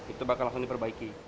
itu bakal langsung diperbaiki